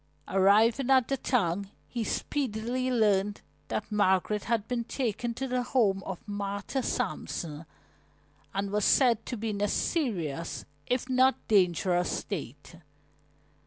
Arriving at the town, he speedily learned that Margaret had been taken to the home of Martha Sampson and was said to be in a serious if not dangerous state.